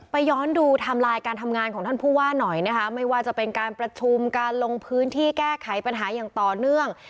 ย้อนดูไทม์ไลน์การทำงานของท่านผู้ว่าหน่อยนะคะไม่ว่าจะเป็นการประชุมการลงพื้นที่แก้ไขปัญหาอย่างต่อเนื่อง